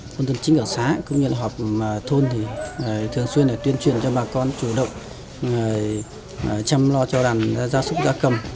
quân dân chính quyền xã cũng như họp thôn thường xuyên tuyên truyền cho bà con chủ động chăm lo cho đàn gia súc gia cầm